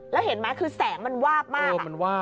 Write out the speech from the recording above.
แล้วเห็นไหมคือแสงมันวาบมาก